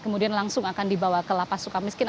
kemudian langsung akan dibawa ke lapas sukamiskin